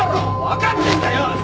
わかってんだよ！